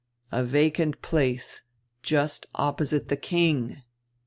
A vacant place just opposite die king!"